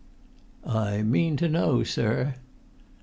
"I mean to know, sir."